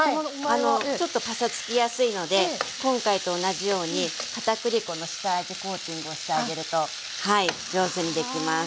ちょっとパサつきやすいので今回と同じように片栗粉の下味コーティングをしてあげるとはい上手にできます。